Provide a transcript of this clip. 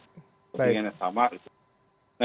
ketika kepentingannya sama pasti akan bergandengan